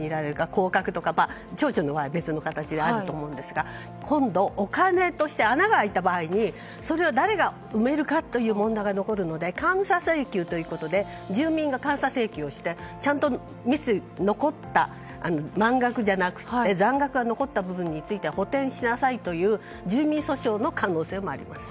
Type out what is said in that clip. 降格とかまあ、町長の場合は別の形があると思いますが今度、お金として穴が開いた場合にそれを誰が埋めるかという問題が残るので監査請求ということで住民が監査請求をしてちゃんと残った満額じゃなくて残額が残った部分については補填しなさいという住民訴訟の可能性もあります。